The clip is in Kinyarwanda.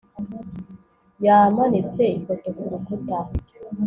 Yamanitse ifoto ku rukuta